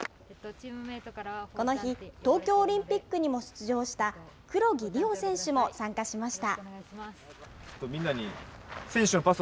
この日、東京オリンピックにも出場した、黒木理帆選手も参加しました。